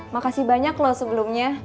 makasih banyak loh sebelumnya